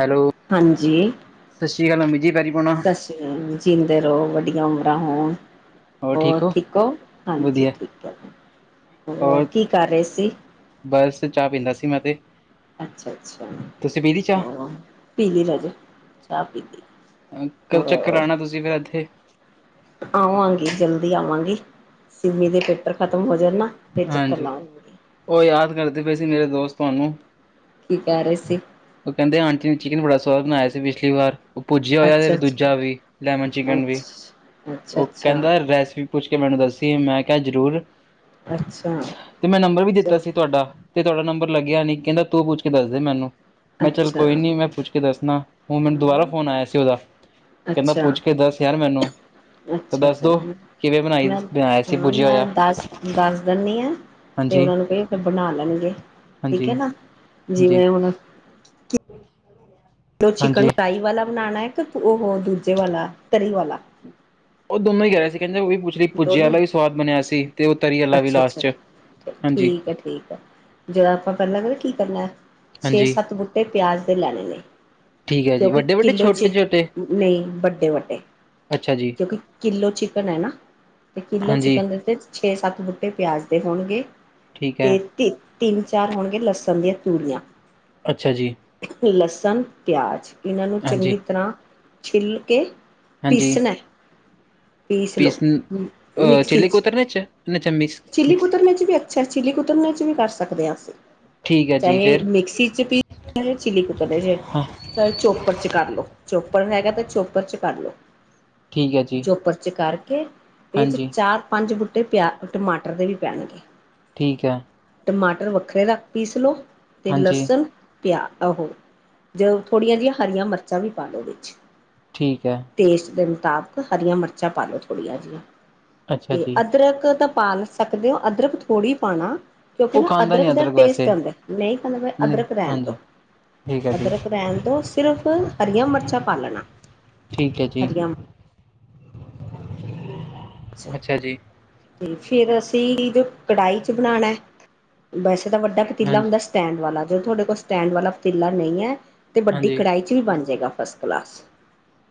Hello ਹਾਂਜੀ ਸਤਿ ਸ੍ਰੀ ਅਕਾਲ ਮੰਮੀ ਜੀ ਪੈਰੀ ਪੈਣਾ। ਸਤਿ ਸ੍ਰੀ ਅਕਾਲ ਜੀਂਦੇ ਰਹੋ ਵੱਡੀਆਂ ਉਮਰਾਂ ਹੋਣ ਹੋਰ ਠੀਕ ਹੋ ਹਾਂਜੀ ਵਧੀਆ ਠੀਕ ਹੈ ਹੋਰ ਕੀ ਕਰ ਰਹੇ ਸੀ ਬਸ ਚਾਹ ਪੀਂਦਾ ਸੀ ਮੈਂ ਤੇ ਅੱਛਾ ਅੱਛਾ ਤੁਸੀਂ ਪੀ ਲਈ ਚਾਹ ਹੋਰ ਪੀ ਲਈ ਰਾਜੇ ਚਾਹ ਪੀ ਲਈ ਕਦੋਂ ਚੱਕਰ ਹੋਰ ਲਾਉਣਾ ਤੁਸੀਂ ਫਿਰ ਇੱਥੇ ਆਵਾਂਗੀ ਜਲਦੀ ਆਵਾਂਗੀ ਸਿੰਮੀ ਦੇ ਪੇਪਰ ਖਤਮ ਹੋ ਜਾਣ ਨਾ ਫਿਰ ਚੱਕਰ ਹਾਂਜੀ ਲਾਵਾਂਗੀ। ਉਹ ਯਾਦ ਕਰਦੇ ਪਏ ਸੀ ਮੇਰੇ ਦੋਸਤ ਤੁਹਾਨੂੰ ਕੀ ਕਹਿ ਰਹੇ ਸੀ ਉਹ ਕਹਿੰਦੇ ਆਂਟੀ ਨੇ ਚਿਕਨ ਬੜਾ ਸਵਾਦ ਬਣਾਇਆ ਸੀ ਪਿਛਲੀ ਵਾਰ ਉਹ ਭੁੱਜਿਆ ਹੋਇਆ ਵੇ ਅੱਛਾ ਤੇ ਅੱਛਾ, ਦੂਜਾ ਵੀ ਲੈਮਨ ਅੱਛਾ ਚਿਕਨ ਵੀ, ਅੱਛਾ ਉਹ ਕਹਿੰਦਾ ਰੈਸਪੀ, ਪੁੱਛ ਕੇ ਮੈਨੂੰ ਦੱਸੀ, ਮੈਂ ਕਿਹਾ ਜ਼ਰੂਰ। ਅੱਛਾ। ਤੇ ਮੈਂ ਨੰਬਰ ਵੀ ਦਿੱਤਾ ਸੀ ਤੁਹਾਡਾ ਤੇ ਤੁਹਾਡਾ ਨੰਬਰ ਲੱਗਿਆ ਨੀ, ਕਹਿੰਦਾ ਤੂੰ ਪੁੱਛ ਕੇ ਦੱਸਦੇ ਮੈਨੂੰ। ਅੱਛਾ, ਮੈਂ ਚੱਲ ਅੱਛਾ, ਕੋਈ ਨੀ ਮੈਂ ਪੁੱਛ ਕੇ ਦੱਸਣਾ ਹੁਣ ਮੈਨੂੰ ਦੁਬਾਰਾ ਫੋਨ ਆਇਆ ਸੀ, ਉਹਦਾ। ਕਹਿੰਦਾ ਅੱਛਾ, ਪੁੱਛ ਕੇ ਦੱਸ ਯਾਰ ਮੈਨੂੰ। ਤਾਂ ਅੱਛਾ- ਦੱਸ ਅੱਛਾ ਦੋ ਕਿਵੇਂ ਬਣਾਈ ਮੈਂ ਬਣਾਇਆ ਸੀ ਹਾਂ ਪੁੱਜਿਆ ਮੈਂ ਹੋਇਆ ਦੱਸ- ਦੱਸ, ਦੇਣੀ ਆ ਤੇ ਹਾਂਜੀ ਉਹਨਾਂ ਨੂੰ ਕਹੀਏ ਫੇਰ ਬਣਾ ਲੈਣਗੇ ਠੀਕ ਹੈ ਹਾਂਜੀ ਨਾ, ਜਿਵੇਂ ਹੁਣ- ੱ [inaudible] ਹੂੰ। ਤੋ ਚਿਕਨ ਫਰਾਈ ਵਾਲਾ ਬਣਾਨਣਾ ਹੈ, ਕਿ ਉਹ ਦੂੂਜੇ ਵਾਲਾ ਤਰੀ ਵਾਲਾ। ਉਹ ਦੋਨੋਂ ਹੀ ਕਹਿ ਰਿਹਾ ਸੀ, ਕਹਿੰਦੇ ਉਹ ਵੀ ਪੁੱਛ ਲੀ ਪੁੱਜੇ ਦੋਨੇ ਵਾਲਾ ਵੀ ਸਵਾਦ ਬਣਿਆ ਸੀ। ਤੇ ਉਹ ਤਰੀ ਅੱਛਾ- ਵਾਲਾ ਵੀ ਅੱਛਾ ਲਾਸਟ ਚ ਹਾਂਜੀ ਠੀਕ ਹੈ- ਠੀਕ ਹੈ ਜਦੋਂ ਆਪਾਂ ਕਰ ਲਾਂਗੇ ਕੀ ਕਰਨਾ ਹੈ। ਛੇ- ਹਾਂਜੀ ਸੱਤ ਬੂਟੇ ਪਿਆਜ ਦੇ ਲੈਣੇ ਨੇ। ਠੀਕ ਹੈ ਜੀ ਕਿਉਂਕਿ ਵੱਡੇ ਵੱਡੇ ਕਿੱਲੋ ਚ, ਛੋਟੇ ਛੋਟੇ ਨਹੀਂ ਵੱਡੇ- ਵੱਡੇ। ਅੱਛਾ ਜੀ ਕਿਉਂਕਿ ਕਿੱਲੋ ਚਿਕਨ ਹੈ ਨਾ, ਤੇ ਕਿੱਲੋ ਹਾਂਜੀ ਚਿਕਨ ਦੇ ਵਿੱਚ, ਛੇ- ਸੱਤ ਬੂਟੇ ਪਿਆਜ ਦੇ ਹੋਣਗੇ, ਠੀਕ ਹੈ ਤਿੰਨ- ਤਿੰਨ- ਚਾਰ ਹੋਣਗੇ ਲਸਣ ਦੀਆਂ ਤੁਰੀਆਂ। ਅੱਛਾ ਜੀ। ਲਸਣ, ਪਿਆਜ ਇਹਨਾਂ ਨੂੰ ਹਾਂਜੀ ਚੰਗੀ ਤਰਾਂ ਛਿੱਲ ਕੇ, ਹਾਂਜੀ ਪੀਸਣਾ ਐ। ਪੀਸ ਅਹ ਮਿਕਸੀ ਚੇਲੀ 'ਚ ਕੋਤਰ ਵਿਚ ਚ ਮੀਕ- ਚਿੱਲੀ ਕੁਤਰਨ ਚ ਵੀ ਅੱਛਾ ਚਿੱਲੀ ਕੁਤਰਨ ਚ ਵੀ ਕਰ ਸਕਦੇ ਹਾਂ ਅਸੀਂ। ਠੀਕ ਹੈ ਜੀ ਚਾਹੇ ਫਿਰ ਮਿਕਸੀ ਚ ਪੀ ਚਿੱਲੀ ਕੁਤਰੰਨਚ, ਹਾਂ ਚੋਪਰ ਚ ਕਰ ਲੋ, ਚੋਪੜ ਹੈਗਾ ਤੇ ਚੋਪਰ ਚ ਕਰ ਲੋ। ਠੀਕ ਹੈ ਜੀ ਚੋਪਰ ਚ ਕਰਕੇ ਵਿਚ ਚ ਹਾਂਜੀ ਚਾਰ- ਪੰਜ ਬੂਟੇ ਕੇ ਪਿਆ, ਟਮਾਟਰ ਦੇ ਵੀ ਪੈਣਗੇ। ਠੀਕ ਹੈ। ਟਮਾਟਰ ਵੱਖਰੇ ਰੱਖ ਪੀਸ ਲਓ, ਤੇ ਹਾਂਜੀ ਲਸਣ ਪਿਆ ਆਹੋ ਜ ਥੋੜੀਆਂ ਜਿਹੀਆਂ ਹਰੀਆਂ ਮਿਰਚਾਂ ਵੀ ਪਾਲੋ ਵਿੱਚ। ਠੀਕ ਹੈ। ਟੇਸਟ ਦੇ ਮੁਤਾਬਕ ਹਰੀਆਂ ਮਿਰਚਾਂ ਪਾ ਲਉ ਥੋੜੀਆਂ ਜਿਹੀਆਂ। ਅੱਛਾ ਤੇ ਜੀ। ਅਦਰਕ ਤਾਂ ਪਾ ਵੀ ਸਕਦੇ ਹੋ, ਅਦਰਕ ਥੋੜੀ ਪਾਣਾ। ਕਿਉਂਕਿ ਉਹ ਨਾ ਖਾਂਦਾ ਅਦਰਕ ਨੀ ਦਾ ਵੈਸੇ ਟੇਸਟ ਆਉਂਦਾ, ਨਹੀਂ ਪਾਉਣਾ ਨਹੀਂ ਅਦਰਕ ਰਹਿਣ ਦੋ। ਹਾਂਜੀ ਠੀਕ ਹੈ ਜੀ, ਅਦਰਕ ਰਹਿਣ ਦੋ ਸਿਰਫ਼ ਹਰੀਆਂ ਮਿਰਚਾਂ ਪਾ ਲੈਣਾ। ਠੀਕ ਹੈ ਜੀ। ਹਰੀਆਂ ਅੱਛਾ ਜੀ, ਫੇਰ ਅਸੀਂ ਜੇ ਕੜਾਹੀ ਚ ਬਣਾਣਾ ਹੈ। ਵੈਸੇ ਤਾਂ ਵੱਡਾ ਪਤੀਲਾ ਹਾਂਜੀ। ਹੁੰਦਾ ਸਟੈਂਡ ਵਾਲਾ, ਜੋ ਤੁਹਾਡੇ ਕੋਲ ਸਟੈਂਡ ਵਾਲਾ ਪਤੀਲਾ ਨਹੀਂ ਹੈ, ਤੇ ਵੱਡੀ ਹਾਂਜੀ, ਕੜਾਹੀ, ਚੀ ਬਣ ਜਾਏਗਾ ਫਸਟ ਕਲਾਸ।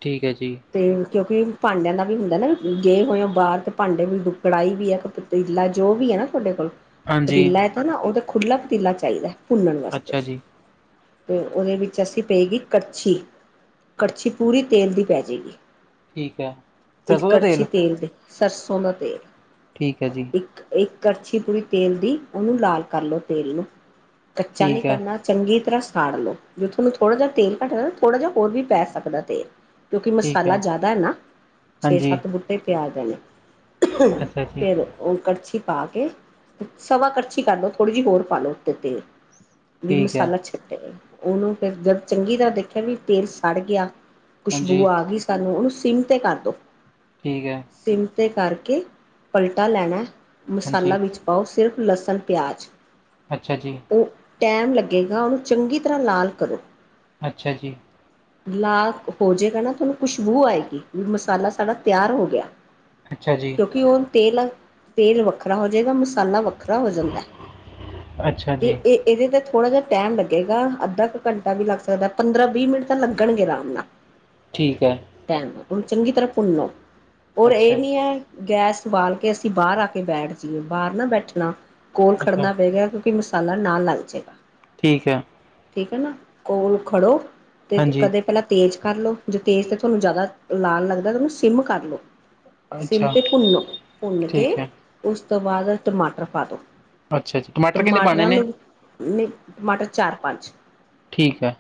ਠੀਕ ਹੈ ਜੀ। ਤੇ ਕਿਉਂਕਿ ਭਾਂਡਿਆਂ ਦਾ ਵੀ ਹੁੰਦਾ ਨਾ ਵੀ ਜੇ ਹੋਏ ਔ। ਬਾਹਰ ਤੇ ਭਾਂਡੇ ਵੀ ਕੜਾਈ ਵੀ ਹੈ, ਪਤੀਲਾ ਜੋ ਵੀ ਹੈ ਨਾ ਤੁਹਾਡੇ ਕੋਲ, ਹਾਂਜੀ, ਪਤੀਲਾ ਐ। ਹੈ ਨਾ ਉਹਦਾ ਖੁੱਲਾ ਪਤੀਲਾ ਚਾਹੀਦਾ ਭੁੰਨਣ ਵਾਸਤੇ। ਅੱਛਾ ਜੀ, ਤੇ ਉਹਦੇ ਵਿੱਚ ਅਸੀਂ ਪਏਗੀ ਕੜਛੀ, ਕੜਛੀ ਪੂਰੀ ਤੇਲ ਦੀ ਪੈ ਜੇਗੀ। ਠੀਕ ਹੈ। ਇੱਕ ਸਰਸੋਂ ਦਾ ਕੜਛੀ ਤੇਲ ਦੇ ਸਰਸੋਂ ਦਾ ਤੇਲ ਠੀਕ ਹੈ ਜੀ। ਇੱਕ ਕੜਛੀ ਪੂਰੀ ਤੇਲ ਦੀ ਉਹਨੂੰ ਲਾਲ ਕਰ ਲਓ ਤੇਲ ਨੂੰ ਕੱਚਾ ਨੀ ਠੀਕ ਹੈ। ਕਰਨਾ। ਚੰਗੀ ਤਰ੍ਹਾਂ ਸਾੜ ਲਉ ਜੇ ਤੁਹਾਨੂੰ ਥੋੜ੍ਹਾ ਜਿਹਾ ਤੇਲ ਘੱਟਦਾ ਥੋੜ੍ਹਾ ਜਿਹਾ ਹੋਰ ਵੀ ਪੈ ਸਕਦਾ ਤੇਲ ਕਿਉਂਕਿ ਮਸਾਲਾ ਜਾਦਾ ਹੈ ਨਾ ਛੇ ਹਾਂਜੀ, ਸੱਤ ਬੂਟੇ ਪਿਆਜ ਦੇ ਨੇ। ਅੱਛਾ ਜੀ, ਫੇ ਦੋ ਓ ਕੜਛੀ ਪਾ ਕੇ ਸਵਾ ਕੜਛੀ ਕਰ ਲਓ ਥੋੜ੍ਹੀ ਜਿਹੀ ਹੋਰ ਪਾ ਲਉ ਉਤੇ ਤੇਲ ਵੀ ਠੀਕ ਹੈ, ਮਸਾਲਾ ਛੱਟਿਆ ਉਹਨੂੰ ਫਿਰ ਜਦ ਚੰਗੀ ਤਰ੍ਹਾਂ ਦੇਖਿਆ ਵੀ ਤੇਲ ਸੜ ਗਿਆ। ਹਾਂਜੀ, ਖੁਸ਼ਬੂ ਆ ਗਈ ਸਾਨੂੰ ਉਹਨੂੰ ਸਿਮ ਤੇ ਕਰ ਦਿਉ। ਠੀਕ ਹੈ। ਸਿਮ ਤੇ ਕਰਕੇ ਪਲਟਾ ਲੈਣਾ ਹਾਂਜੀ, ਮਸਾਲਾ ਵਿੱਚ ਪਾਓ ਸਿਰਫ ਲਸਣ ਪਿਆਜ਼ ਅੱਛਾ ਜੀ। ਉਹ ਟਾਈਮ ਲੱਗੇਗਾ ਉਹਨੂੰ ਚੰਗੀ ਤਰ੍ਹਾਂ ਲਾਲ ਕਰੋ। ਅੱਛਾ ਜੀ। ਲਾਲ ਹੋ ਜਾਏਗਾ ਨਾ ਤੁਹਾਨੂੰ ਖੁਸ਼ਬੂ ਆਏਗੀ ਵੀ ਮਸਾਲਾ ਸਾਡਾ ਤਿਆਰ ਹੋ ਗਿਆ। ਅੱਛਾ ਜੀ, ਕਿਉਂਕਿ ਓ ਤੇਲ-ਤੇਲ ਵੱਖਰਾ ਹੋ ਜਾਏਗਾ ਮਸਾਲਾ ਵੱਖਰਾ ਹੋ ਜਾਂਦਾ। ਅੱਛਾ ਜੀ। ਤੇ ਇਹ-ਇਹਦੇ ਤੇ ਥੋੜ੍ਹਾ ਜਿਹਾ ਟੈਮ ਲੱਗੇਗਾ ਅੱਧਾ ਕੁ ਘੰਟਾ ਵੀ ਲੱਗ ਸਕਦਾ ਪੰਦਰਾਂ ਵੀਹ ਮਿੰਟ ਤਾਂ ਲੱਗਣ ਗੇ ਆਰਾਮ ਨਾਲ [inaudible] ਠੀਕ ਹੈ। ਟੈਮ ਉਨੂੰ ਚੰਗੀ ਤਰ੍ਹਾਂ ਭੁੰਣੋ। ਔਰ ਅੱਛਾ, ਇਹ ਨੀ ਹੈ ਗੈਸ ਉ ਬਾਲ ਕੇ ਅਸੀਂ ਬਾਰ ਆ ਕੇ ਬੈਠ ਜਾਈਏ ਬਾਰ ਨਾ ਬੈਠਣਾ ਕੋਲ ਅੱਛਾ, ਖੜਨਾ ਪਏਗਾ ਕਿਉਂਕਿ ਮਸਾਲਾ ਨਾਲ ਲੱਗ ਜਾਏਗਾ। ਠੀਕ ਹੈ। ਠੀਕ ਏ ਨਾ ਕੋਲ ਖੜੋ ਤੇ-ਤੇ ਹਾਂਜੀ, ਕਦੇ ਪੈਲਾਂ ਤੇਜ਼ ਕਰ ਲਉ ਜੇ ਤੇਜ਼ ਤਾਂ ਤੁਹਾਨੂੰ ਜਾਦਾ ਲਾਲ ਲੱਗਦਾ ਤਾਂ ਉਹਨੂੰ ਸਿਮ ਕਰ ਲਉ। ਸਿਮ ਅੱਛਾ। ਤੇ ਭੁੰਨੋ ਭੁੰਨ ਕੇ ਠੀਕ ਹੈ, ਉਸ ਤੋਂ ਬਾਦ ਟਮਾਟਰ ਪਾ ਦੋ। ਅੱਛਾ ਜੀ ਟਮਾ ਟਮਾਟਰਾਂ ਨੂੰ ਨਈ ਟਮਾਟਰ ਚਾਰ ਪੰਜ ਠੀਕ ਹੈ।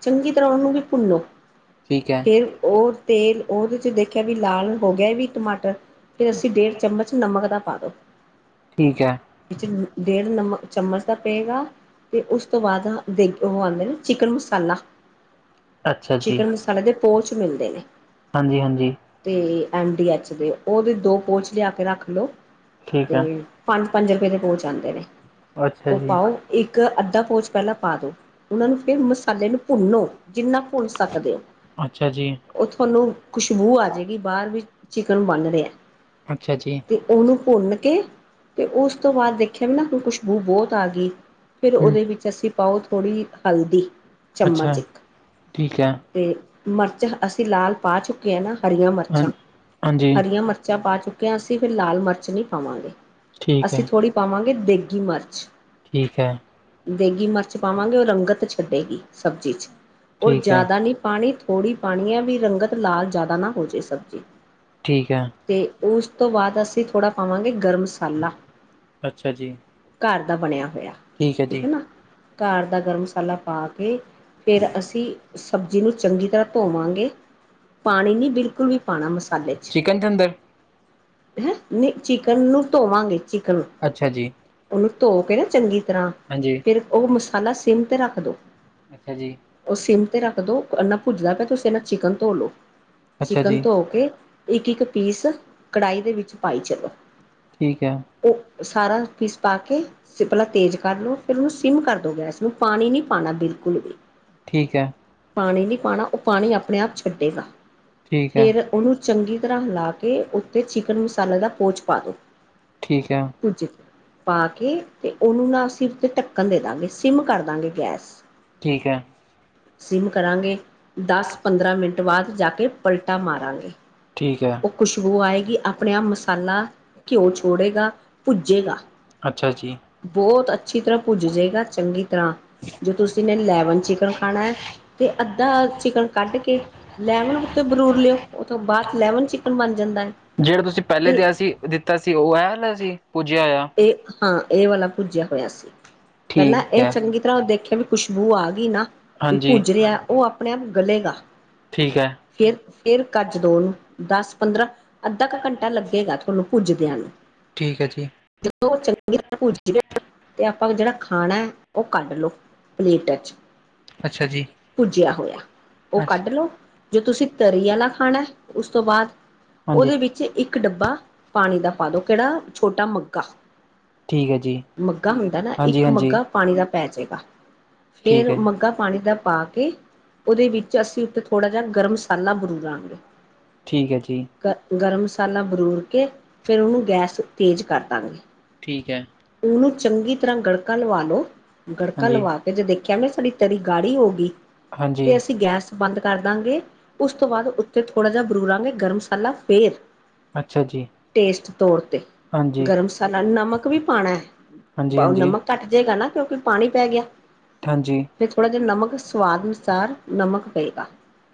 ਚੰਗੀ ਤਰ੍ਹਾਂ ਉਹਨੂੰ ਵੀ ਭੁੰਨੋ। ਠੀਕ ਹੈ। ਫਿਰ ਓ ਤੇਲ ਉਹਦੇ 'ਚ ਦੇਖਿਆ ਵੀ ਲਾਲ ਹੋ ਗਿਆ ਵੀ ਟਮਾਟਰ ਫਿਰ ਅਸੀਂ ਡੇਢ ਚਮਚ ਨਮਕ ਦਾ ਪਾ ਦੋ। ਠੀਕ ਹੈ। ਵਿੱਚ ਡੇਢ ਨਮ ਚਮਚ ਦਾ ਪਏਗਾ। ਤੇ ਉਸ ਤੋਂ ਬਾਦ ਇੱਕ ਓ ਆਂਦੇ ਨਾ ਚਿਕਨ ਮਸਾਲਾ ਅੱਛਾ ਚਿਕਨ ਮਸਾਲੇ ਦੇ ਪੋਚ ਮਿਲਦੇ ਨੇ। ਹਾਂਜੀ-ਹਾਂਜੀ ਤੇ ਐਮ ਡੀ ਐਚ ਦੇ ਓ ਵੀ ਦੋ ਪੋਚ ਲਿਆ ਕੇ ਰੱਖ ਲਓ। ਠੀਕ ਹੈ ਤੇ ਪੰਜ-ਪੰਜ ਰੁਪਏ ਦੇ ਪੋਚ ਆਂਦੇ ਨੇ ਅੱਛਾ ਓ ਜੀ ਪਾਓ। ਇੱਕ ਅੱਧਾ ਪਊਚ ਪੈਲਾਂ ਪਾ ਦੋ ਉਹਨਾਂ ਨੂੰ ਫਿਰ ਮਸਾਲੇ ਨੂੰ ਭੁੰਨੋ। ਜਿੰਨਾ ਕ ਭੁੰਨ ਸਕਦੇ ਹੋ ਅੱਛਾ ਜੀ ਓ ਥੋਨੂੰ ਖੁਸ਼ਬੂ ਆ ਅਜੇ ਕੀ ਬਾਰ ਵੀ ਚਿਕਨ ਬਣ ਰਿਆ ਅੱਛਾ ਜੀ ਤੀ ਓਨੂੰ ਭੁੰਨ ਕੇ ਤੇ ਉਸ ਤੋਂ ਬਾਦ ਦੇਖਿਓ ਵੀ ਨਾ ਖੁਸ਼ਬੂ ਬੋਤ ਆਗੀ। ਫਿਰ ਹੂੰ ਓਦੇ ਵਿੱਚ ਪਾਓ ਅੱਸੀ ਥੋੜ੍ਹੀ ਹਲਦੀ ਚਮਚ ਅੱਛਾ ਇੱਕ। ਠੀਕ ਹੈ ਅਤੇ ਮਿਰਚ ਅਸੀਂ ਲਾਲ ਪਾ ਚੁੱਕੇ ਆ ਨਾ। ਹਰੀਆਂ ਹਾਂ ਮਿਰਚਾਂ ਹਾਂਜੀ ਹਰੀਆਂ ਮਿਰਚਾਂ ਪਾ ਚੁੱਕੇ ਹਾਂ ਅਸੀਂ ਫਿਰ ਲਾਲ ਮਿਰਚ ਨੀ ਪਾਵਾਂਗੇ। ਠੀਕ ਅਸੀਂ ਹੈ ਥੋੜ੍ਹੀ ਪਾਵਾਂਗੇ ਦੇਗੀ ਮਿਰਚ। ਠੀਕ ਐ। ਦੇਗੀ ਮਿਰਚ ਪਾਵਾਂਗੇ ਓ ਰੰਗਤ ਛੱਡੇਗੀ ਸਬਜ਼ੀ ਚ। ਔਰ ਠੀਕ ਹੈ ਜਾਦਾ ਨੀ ਪਾਣੀ ਥੋੜ੍ਹੀ ਪਾਣੀ ਐ ਵੀ ਰੰਗਤ ਲਾਲ ਜਾਦਾ ਨਾ ਹੋਜੇ ਸਬਜ਼ੀ ਠੀਕ ਐ। ਤੇ ਉਸ ਤੋਂ ਬਾਦ ਅਸੀਂ ਥੋੜ੍ਹਾ ਪਾਵਾਂਗੇ ਗਰਮ ਮਸਾਲਾ। ਅੱਛਾ ਜੀ। ਘਰ ਦਾ ਬਣਿਆ ਹੋਇਆ ਹੈ ਠੀਕ ਜੀ ਐ ਨਾ ਘਰ ਦਾ ਗਰਮ ਮਸਾਲਾ ਪਾ ਕੇ ਫੇਰ ਅਸੀਂ ਸਬਜ਼ੀ ਨੂੰ ਚੰਗੀ ਤਰ੍ਹਾਂ ਧੋਵਾਂਗੇ ਪਾਣੀ ਨੀ ਬਿਲ ਕੁਲ ਨੀ ਪਾਨਾ ਮਸਾਲੇ ਚ। ਚਿਕਨ ਦੇ ਅੰਦਰ ਹੈ ਨੀ ਚਿਕਨ ਨੂੰ ਧੋਵਾਂਗੇ ਚਿਕਨ ਅੱਛਾ ਜੀ ਓਨੂੰ ਧੋ ਕੇ ਨਾ ਚੰਗੀ ਤਰ੍ਹਾਂ ਹਾਂਜੀ ਫਿਰ ਓ ਮਸਾਲਾ ਸਿਮ ਤੇ ਰੱਖ ਦੋ। ਅੱਛਾ ਜੀ। ਓ ਸਿਮ ਤੇ ਰੱਖ ਦੋ ਇੰਨਾ ਓ ਭੁਜਦਾ ਪਿਆ ਤੁਸੀਂ ਇਨਾ ਚਿਕਨ ਧੋ ਲੋ। ਅੱਛਾ ਚਿਕਨ ਜੀ ਧੋ ਕੇ ਇੱਕ-ਇੱਕ ਪੀਸ ਕੜਾਹੀ ਦੇ ਵਿੱਚ ਪਾਈ ਚਲੋ। ਠੀਕ ਐ। ਓ ਸਾਰਾ ਪੀਸ ਪਾ ਕੇ ਤੁਸੀ ਪਹਿਲਾ ਤੇਜ਼ ਕਰ ਲਓ ਫਿਰ ਉਨੂੰ ਸਿਮ ਕਰ ਦਓ ਗੈਸ ਨੂੰ ਪਾਣੀ ਨੀ ਪਾਣਾ ਬਿਲਕੁਲ ਵੀ। ਠੀਕ ਐ। ਪਾਣੀ ਨੀ ਪਾਣਾ ਓ ਪਾਣੀ ਆਪਣੇ ਆਪ ਛੱਡੇਗਾ। ਠੀਕ ਹੈ ਫੇਰ ਓਨੂੰ ਚੰਗੀ ਤਰ੍ਹਾਂ ਹਿਲਾ ਕੇ ਉੱਤੇ ਚਿਕਨ ਮਸਾਲੇ ਦਾ ਪੋਚ ਪਾ ਦੋ। ਠੀਕ ਐ। [unintelligible] ਪਾ ਕੇ ਤੇ ਉਨੂੰ ਨਾ ਅਸੀਂ ਉਤੇ ਢੱਕਣ ਦੇ ਦਾਂਗੇ ਸਿਮ ਕਰ ਦਾਂਗੇ ਗੈਸ। ਠੀਕ ਐ। ਸਿਮ ਕਰਾਂਗੇ ਦਸ-ਪੰਦਰਾਂ ਮਿੰਟ ਬਾਦ ਜਾ ਕੇ ਪਲਟਾ ਮਾਰਾਂਗੇ। ਠੀਕ ਐ। ਓ ਖੁਸ਼ਬੂ ਆਏਗੀ ਆਪਣੇ ਆਪ ਮਸਾਲਾ ਘਿਓ ਛੋੜੇਗਾ ਪੁੱਜੇਗਾ। ਅੱਛਾ ਜੀ ਬੋਤ ਅੱਛੀ ਤਰ੍ਹਾਂ ਪੁੱਜ ਜਾਏਗਾ ਚੰਗੀ ਤਰ੍ਹਾਂ। ਜੋ ਤੁਸੀਂ ਨੇ ਲੈਮਨ ਚਿਕਨ ਖਾਣਾ ਐ ਤੇ ਅੱਧਾ ਚਿਕਨ ਕੱਢ ਕੇ ਲੈਮਨ ਤੇ ਬਰੂਰ ਲਿਓ ਉਹ ਤੋਂ ਬਾਦ ਲੈਮਨ ਚਿਕਨ ਬਣ ਜਾਂਦੈ। ਜੇੜਾ ਤੁਸੀਂ ਪਹਿਲੇ ਦਿਆ ਸੀ ਦਿੱਤਾ ਸੀ ਓ ਅਲਾ ਸੀ ਪੁੱਜਿਆ ਹੋਇਆ। ਏ ਹਾਂ ਏ ਵਾਲਾ ਭੁਜਿਆ ਹੋਇਆ ਸੀ ਪਹਿਲਾਂ ਠੀਕ ਏ ਹੈ ਚੰਗੀ ਤਰਾ ਦੇਖਿਆ ਵੀ ਖੁਸ਼ਬੂ ਆਗੀ ਨਾ। ਏ ਹਾਂਜੀ ਭੁਜ ਰਿਆ ਓ ਆਪਣੇ ਆਪ ਗਲੇਗਾ। ਠੀਕ ਹੈ ਫੇਰ-ਫੇਰ ਕਜ ਦੋ ਉਨੂੰ ਦਸ ਪੰਦਰਾਂ ਅੱਧਾ ਕ ਘੰਟਾ ਲੱਗੇਗਾ ਤੁਹਾਨੂੰ ਭੁਜਦਿਆਂ ਨੂੰ। ਠੀਕ ਐ ਜੀ। ਜਦੋਂ ਓ ਚੰਗੀ ਤਰ੍ਹਾਂ ਭੁੱਜ ਗਿਆ ਤੇ ਆਪਾਂ ਜੇੜਾ ਖਾਨੈ ਓ ਕੱਢ ਲੋ। Play touch. ਅੱਛਾ ਜੀ। ਭੁਜਿਆ ਹੋਇਆ ਓ ਕੱਢ ਅੱਛਾ ਲਓ ਜੋ ਤੁਸੀਂ ਤਰੀ ਆਲਾ ਖਾਣਾ ਉਸ ਤੋਂ ਬਾਦ ਹਾਂਜੀ ਓਦੇ ਵਿੱਚ ਇੱਕ ਡੱਬਾ ਪਾਣੀ ਦਾ ਪਾ ਦੋ ਕੇੜਾ ਛੋਟਾ ਮੱ ਗਾ ਠੀਕ ਹੈ ਜੀ ਮਗਾ ਹੁੰਦਾ ਨਾ ਹਾਂਜੀ ਇੱਕ ਹਾਂਜੀ ਮੱਗਾ ਪਾਣੀ ਦਾ ਪੈ ਜੇਗਾ ਠੀਕ ਫੇਰ ਹੈ। ਮਗਾ ਪਾਣੀ ਦਾ ਪਾ ਕੇ ਉਦੇ ਵਿੱਚ ਅਸੀਂ ਉੱਤੇ ਥੋੜ੍ਹਾ ਜਾ ਗਰਮ ਮਸਾਲਾ ਬਰੂ ਲਾਂਗੇ। ਠੀਕ ਐ ਜੀ। ਗ ਗਰਮ ਮਸਾਲਾ ਬਰੂਰ ਕੇ ਫਿਰ ਉਨੂੰ ਗੈਸ ਤੇਜ਼ ਕਰ ਦਾਂਗੇ। ਠੀਕ ਐ। ਉਨੂੰ ਚੰਗੀ ਤਰ੍ਹਾਂ ਗੜਕਾ ਲਵਾ ਲੋ ਗੜਕਾ ਹਾਂਜੀ ਲਵਾ ਤੇ ਜੇ ਦੇਖਿਆ ਵੀ ਸਾਡੀ ਤਰੀ ਗਾੜੀ ਹੋਗੀ ਹਾਂਜੀ ਤੇ ਅਸੀਂ ਗੈਸ ਬੰਦ ਕਰ ਦਾਂਗੇ ਉਸ ਤੋਂ ਬਾਦ ਉੱਤੇ ਥੋੜ੍ਹਾ ਜਾ ਬਰੂਰਾਂਗੇ ਗਰਮ ਮਸਾਲਾ ਫੇਰ। ਅੱਛਾ ਜੀ। ਟੇਸਟ ਤੋਰ ਤੇ। ਹਾਂਜੀ ਗਰਮ ਮਸਾਲਾ ਨਮਕ ਵੀ ਪਾਨੈ। ਹਾਂਜੀ ਹਾਂਜੀ ਹਾਂਜੀ। ਫਿਰ ਥੋੜ੍ਹਾ ਜਾ ਨਮਕ ਸਵਾਦ ਅਨੁਸਾਰ ਨਮਕ ਪਏਗਾ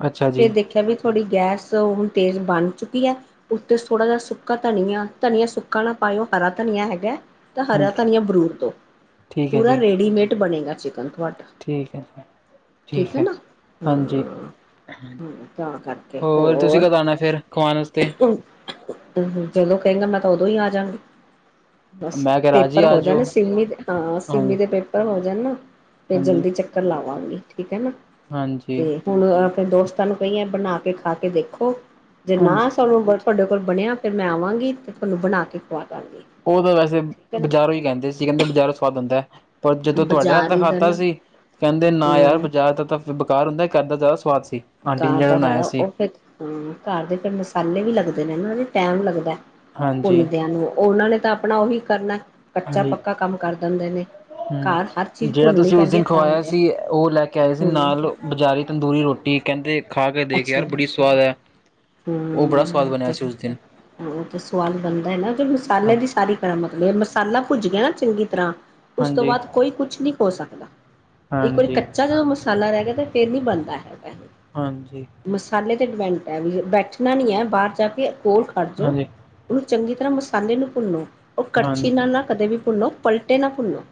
ਅੱਛਾ ਜੀ ਫਿਰ ਦੇਖਿਆ ਵੀ ਥੋੜ੍ਹੀ ਗੈਸ ਹੁਣ ਤੇਜ਼ ਬਣ ਚੁੱਕੀ ਐ ਉੱਤੇ ਥੋੜ੍ਹਾ ਜਾ ਸੁੱਕਾ ਧਨੀਆ ਧਨੀਆ ਸੁੱਕਾ ਨਾ ਪਾਇਓ ਹਰਾ ਧਨੀਆ ਹੈਗੈ। ਤਾਂ ਹਾਂ ਹਰਾ ਧਨੀਆ ਬਰੂਰ ਦੋ ਠੀਕ ਹੈ ਪੂਰਾ ਜੀ ਰੇਡੀਮੇਡ ਬਣੇਗਾ ਚਿਕਨ ਤੁਹਾਡਾ। ਠੀਕ ਐ ਠੀਕ ਐ ਨਾ। ਹਾਂ-ਹਾਂ ਤਾਂ ਕਰਕੇ ਤੁਸੀਂ ਹੋਰ? ਕਦੋਂ ਆਉਣਾ ਫਿਰ ਖਵਾਉਣ ਵਾਸਤੇ ਹਮ ਜਦੋਂ ਕਏਂਗਾ ਮੈਂ ਤਾਂ ਓਦੋਂ ਈ ਆ ਜਾਂਗੀ। ਬਸ ਮੈਂ ਕਿਹਾ ਰਾਜੀ ਪੇਪਰ ਆ ਹੋ ਜਾਣ ਜਾਓ ਸਿੰਮੀ ਦੇ ਹਾਂ ਸਿੰਮੀ ਹਾਂਜੀ ਦੇ ਪੇਪਰ ਹੋ ਜਾਣ ਫੇ ਹਾਂਜੀ ਜਲਦੀ ਚੱਕ ਕਲ ਲਾਵਾਂਗੀ ਠੀਕ ਐ ਨਾ। ਹਾਂਜੀ। ਤੇ ਹੁਣ ਆਪਣੇ ਦੋਸਤਾਂ ਨੂੰ ਕਈ ਐ ਬਣਾ ਕੇ ਖਾ ਕੇ ਦੇਖੋ ਜੇ ਨਾ ਹਾਂਜੀ ਸਾਨੂੰ ਤੁਹਾਡੇ ਕੋਲ ਬਣਿਆ ਫਿਰ ਮੈਂ ਆਵਾਂਗੀ ਅਤੇ ਤੁਹਾਨੂੰ ਬਣਾ ਕੇ ਖਵਾ ਦਵਾਂਗੀ। ਓ ਤਾਂ ਵੈਸੇ ਬਜ਼ਾਰੋਂ ਈ ਲੈਂਦੇ ਸੀ ਕੈਂਦੇ ਬਜ਼ਾਰੋਂ ਸਵਾਦ ਹੁੰਦੈ। ਪਰ ਜਦੋਂ ਤੁਹਾਡੇ ਹੱਥ ਬਾਜ਼ਾਰ ਦਾ ਹੀ ਖਾਦਾ ਨਾ ਸੀ ਕੈਂਦੇ ਨਾ ਯਾਰ ਹਮ ਬਾਜ਼ਾਰ ਦਾ ਤਾਂ ਬੇਕਾਰ ਹੁੰਦਾ ਘਰ ਦਾ ਜਾਦਾ ਸਵਾਦ ਸੀ ਆਂਟੀ ਨੇ ਘਰ ਜੇੜਾ ਦਾ ਬਣਾਇਆ ਜ਼ਿਆਦਾ ਸੀ। ਉਹ ਫਿਰ ਹਾਂ ਘਰ ਦੇ ਫੇਰ ਮਸਾਲੇ ਵੀ ਲੱਗਦੇ ਨੇ ਟੈਮ ਲੱਗਦੈ। ਹਾਂਜੀ, ਭੁੰਨਦਿਆਂ ਨੂੰ ਓਨਾਂ ਨੇ ਤਾਂ ਆਪਣਾ ਓਹੀ ਕਰਨੈ ਕੱਚਾ ਹਾਂਜੀ ਪੱਕਾ ਕੰਮ ਕਰ ਦੰਦੇ ਨੇ। ਘਰ ਹਰ ਹੂੰ ਚੀਜ਼ ਜੇੜਾ ਭੁੰਨਣੀ ਤੁਸੀਂ ਉਸ ਪੈਂਦੀ ਦਿਨ ਹੈ ਤਾਂ ਖਵਾਇਆ ਹੁੰਦੇ ਆ। ਸੀ ਓ ਲੈ ਕੇ ਆਏ ਸੀ ਹਮ ਨਾਲ ਬਜ਼ਾਰੀ ਤੰਦੂਰੀ ਰੋਟੀ ਕੇਂਦੇ ਖਾ ਕੇ ਦੇ ਕੇ ਯਾਰ ਬੜੀ ਸਵਾਦ ਐ। ਹੂੰ ਫ ਉ ਤੇ ਸਵਾਦ ਬਣਦਾ ਐ ਨਾ ਮਸਾਲੇ ਹਾਂਜੀ, ਦੀ ਸਾਰੀ ਮਤਲਬ ਮਸਾਲਾ ਭੁੱਜ ਗਿਆ ਨਾ ਚੰਗੀ ਤਰ੍ਹਾਂ ਉਸ ਤੋਂ ਹਾਂਜੀ, ਬਾਦ ਕੋਈ ਕੁੱਛ ਨੀ ਹੋ ਸਕਦਾ। ਇੱਕ ਵਾਰੀ ਹਾਂਜੀ, ਕੱਚਾ ਜਦੋਂ ਮਸਾਲਾ ਰੈ ਗਿਆ ਤੇ ਫੇਰ ਨੀ ਬਣਦਾ ਹੈਗਾ। ਹਾਂਜੀ। ਮਸਾਲੇ ਤੇ ਡਿਪੈਂਟ ਐ ਵੀ ਬੈਠਣਾ ਨੀ ਐ ਬਾਰ ਜਾ ਕੇ ਕੋਲ ਖੜ ਜੋ। ਹਾਂਜੀ, ਉਨੂੰ ਚੰਗੀ ਤਰ੍ਹਾਂ ਮਸਾਲੇ ਨੂੰ ਭੁੰਨੋ ਓ ਕੜਛੀ ਹਾਂਜੀ ਨਾਲ ਨਾ ਕਦੇ ਵੀ ਭੁੰਨੋ ਪਲਟੇ ਨਾ ਭੁੰਨੋ।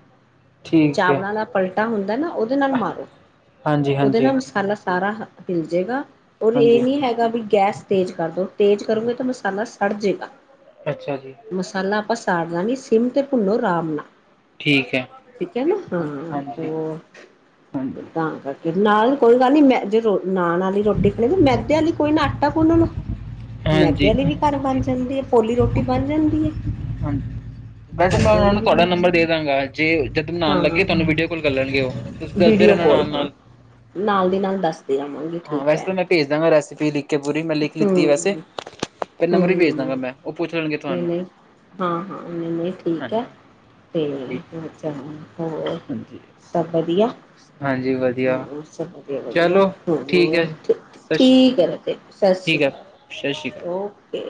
ਠੀਕ ਹੈ ਚਾਵਲਾਂ ਦਾ ਪਲਟਾ ਹੁੰਦਾ ਨਾ ਓਦੇ ਨਾਲ ਮਾਰੋ ਹਾਂਜੀ, ਓਦੇ ਹਾਂਜੀ, ਨਾਲ ਮਸਾਲਾ ਸਾਰਾ ਹਿਲਜੇਗਾ ਔਰ ਇਹ ਹਾਂਜੀ। ਨੀ ਹੈ ਵੀ ਗਾ ਗੈਸ ਤੇਜ਼ ਕਰ ਦੋ ਤੇਜ਼ ਕਰੋਗੇ ਤਾਂ ਮਸਾਲਾ ਸੜ ਜੇਗਾ। ਅੱਛਾ ਜੀ। ਮਸਾਲਾ ਆਪਾਂ ਸਾੜਨਾ ਨੀ ਸਿਮ ਤੇ ਭੁੰਨੋ ਰਾਮ ਨਾ। ਠੀਕ ਹੈ ਠੀਕ ਐ ਨਾ ਹਾਂ ਹੋ। ਹਾਂਜੀ ਹਾਂਜੀ ਤਾਂ ਕਰਕੇ ਨਾਲ਼ ਕੋਈ ਗੱਲ ਨੀ ਮੈਂ ਜੇ ਰੋ। ਨਾਨ ਆਲੀ ਰੋਟ। ਦੇਖੋਂ ਜੀ ਐਂ ਮੈਦੇ ਆਲੀ ਕੋਈ ਨਾ ਆਟਾ ਗੁੰਨ ਲੋ, ਮੈਦੇ ਹਾਂਜੀ ਆਲੀ ਵੀ ਘਰ ਬਣ ਜਾਂਦੀ ਏਂ। ਪੋਲੀ ਰੋਟੀ ਬਣ ਜਾਂਦੀ ਐਂ। ਹਾਂਜੀ ਵੈਸੇ ਮੈਂ ਓਨਾਂ ਨੂੰ ਤੁਹਾਡਾ ਬਣਾ ਨੰਬਰ ਦੇ ਸਕਦੇ ਦਾਂਗਾ, ਜੇ ਜਦ ਬਣਾਣ ਹਾਂ ਹਾਂ ਲੱਗੇ ਤਾਹਨੂੰ ਵੀਡੀਓ ਕਾਲ ਕਰ ਲੈਣਗੇ ਓ। ਵੀਡੀਓ ਕਾਲ ਹਾਂ, ਨਾਲ ਦੀ ਨਾਲ ਦੱਸਦੀ ਰਵਾਂ। ਹਾਂ ਵੈਸੇ ਤੇ ਮੈਂ ਭੇਜ ਦਾਂਗਾ ਰੈਸਪੀ ਲਿਖ। ਕੇ ਪੂਰੀ, ਮੈਂ ਲਿਖ ਲਿਤੀ ਹਮ ਵੈਸੇ ਤੇ ਨੰਬਰ ਵੀ ਭੇਜ ਹਮ ਦਾਂਗਾ ਮੈਂ, ਓ ਪੁੱਛ ਲੈਣਗੇ ਨਹੀਂ ਤੁਹਾਂਨੂੰ। ਨਹੀਂ ਹਾਂ -ਹਾਂ ਨਈ -ਨਈ ਠੀਕ ਐਂ। ਤੇ ਹਾਂਜੀ ਹੋਰ ਚਲ ਹੋਰ ਹਾਂਜੀ ਸਭ ਵਧੀਆਂ। ਹਾਂਜੀ ਹੂੰ ਵਧੀਆ ਹੋਰ ਸਭ ਵਧੀਆਂ ਚਲੋ ਠੀਕ -ਵਧੀਆਂ, ਹੈ ਸਤਿ ਸ਼੍ਰੀ ਠੀਕ ਐ ਤੇ। ਸਾਸਰੀ ਠੀਕ ਹੈ ਸਤਿ ਸ਼੍ਰੀ ਅਕਾਲ ਕਾਲ ਓਕੇ।